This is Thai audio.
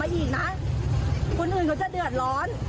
คุณผู้ชมคุณผู้ชมคุณผู้ชม